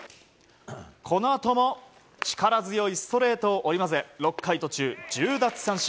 このあとも力強いストレートを織り交ぜ６回途中１０奪三振。